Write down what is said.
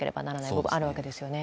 部分あるわけですよね？